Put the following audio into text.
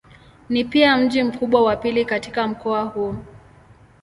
Ni pia mji mkubwa wa pili katika mkoa huu.